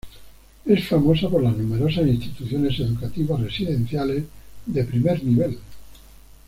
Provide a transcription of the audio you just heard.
Es famosa por las numerosas instituciones educativas residenciales de primer nivel.